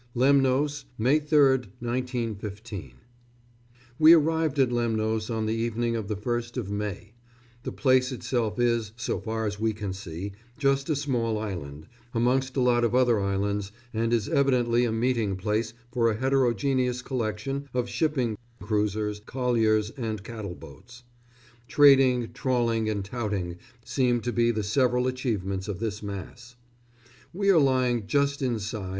] Lemnos, May 3rd, 1915. We arrived at Lemnos on the evening of the 1st of May. The place itself is, so far as we can see, just a small island, amongst a lot of other islands, and is evidently a meeting place for a heterogeneous collection of shipping cruisers, colliers and cattle boats. Trading, trawling and touting seem to be the several achievements of this mass. We are lying just inside